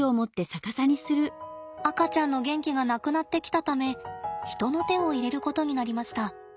赤ちゃんの元気がなくなってきたため人の手を入れることになりました。